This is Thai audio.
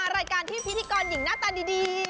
รายการที่พิธีกรหญิงหน้าตาดี